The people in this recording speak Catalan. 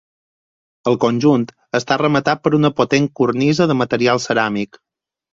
El conjunt està rematat per una potent cornisa de material ceràmic.